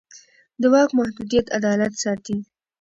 د واک محدودیت عدالت ساتي